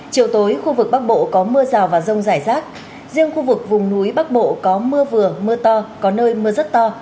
chiều tối khu vực bắc bộ có mưa rào và rông rải rác riêng khu vực vùng núi bắc bộ có mưa vừa mưa to có nơi mưa rất to